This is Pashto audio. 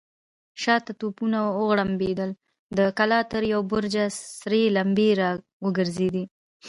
شاته توپونه وغړمبېدل، د کلا تر يوه برج سرې لمبې را وګرځېدې.